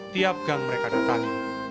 tiap gang mereka datang